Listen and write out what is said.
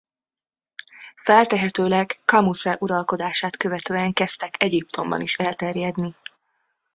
Feltehetőleg Kamosze uralkodását követően kezdtek Egyiptomban is elterjedni.